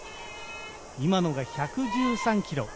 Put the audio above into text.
今のが１１３キロ。